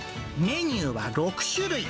メニューは６種類。